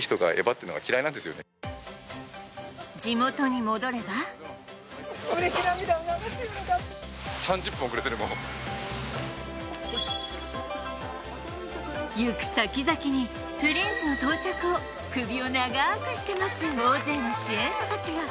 地元に戻れば行く先々にプリンスの到着を首を長くして待つ大勢の支援者たちが。